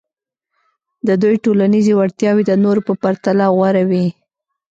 د دوی ټولنیزې وړتیاوې د نورو په پرتله غوره وې.